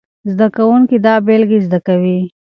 زده کوونکي دا بېلګې زده کوي.